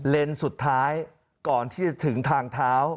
สุดท้ายก่อนที่จะถึงทางเท้า